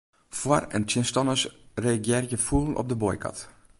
Foar- en tsjinstanners reagearje fûl op de boykot.